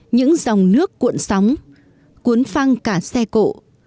những dòng nước cuộn sóng cuốn phăng cả xe cộ